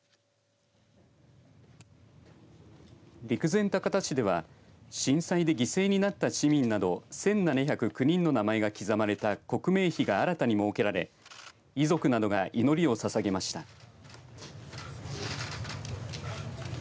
陸前高田市では震災で犠牲になった市民など１７０９人の名前が刻まれた刻銘碑が新たに設けられ遺族などが祈りをささげました。